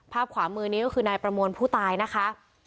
ขวามือนี้ก็คือนายประมวลผู้ตายนะคะ